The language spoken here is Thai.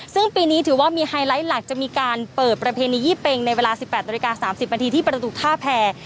ซึ่งปีนี้ถือว่ามีไฮไลท์หลักจะมีการเปิดประเพณียี่เป็งในเวลา๑๘นาฬิกา๓๐นาทีที่ประตูท่าแพร